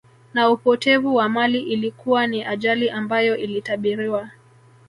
Na upotevu wa mali Ilikuwa ni ajali ambayo ilitabiriwa